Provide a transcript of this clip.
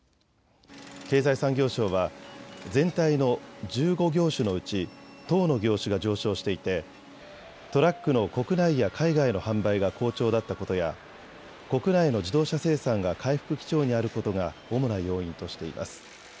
経済産業省は全体の１５業種のうち１０の業種が上昇していてトラックの国内や海外の販売が好調だったことや国内の自動車生産が回復基調にあることが主な要因としています。